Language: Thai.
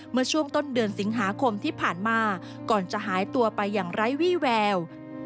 เมื่อช่วงต้นเดือนสิงหาคมที่ผ่านมาก่อนจะหายตัวไปอย่างไร้วี่แวว